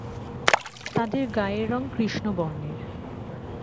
তাদের গায়ের রং কৃষ্ণ বর্ণের।